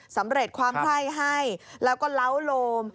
สำเร็จความไคร่ให้แล้วก็เล้าโลม